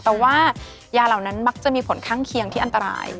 แต่ว่ายาเหล่านั้นมักจะมีผลข้างเคียงที่อันตราย